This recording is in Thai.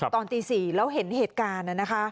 ตอนตี๔แล้วเห็นเหตุการณ์